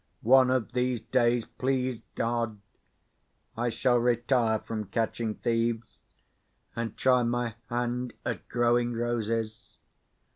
One of these days (please God) I shall retire from catching thieves, and try my hand at growing roses.